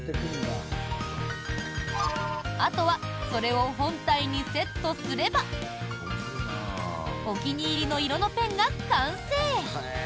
あとはそれを本体にセットすればお気に入りの色のペンが完成！